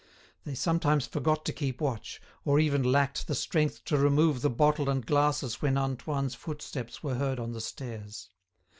They sometimes forgot to keep watch, or even lacked the strength to remove the bottle and glasses when Antoine's footsteps were heard on the stairs.